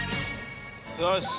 よし！